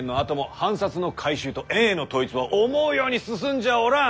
藩札の回収と円への統一は思うように進んじゃおらん。